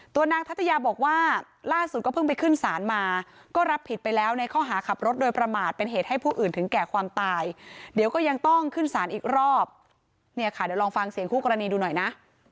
นางทัศยาบอกว่าล่าสุดก็เพิ่งไปขึ้นศาลมาก็รับผิดไปแล้วในข้อหาขับรถโดยประมาทเป็นเหตุให้ผู้อื่นถึงแก่ความตายเดี๋ยวก็ยังต้องขึ้นศาลอีกรอบเนี่ยค่ะเดี๋ยวลองฟังเสียงคู่กรณีดูหน่อยนะ